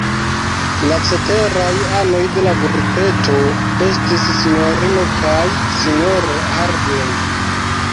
La ceteraj anoj de la grupeto estis sinjorino kaj sinjoro Harding.